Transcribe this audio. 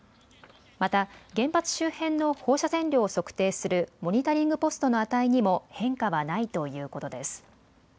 また原発周辺の放射線量を測定するモニタリングポストの値にも変化はないということです。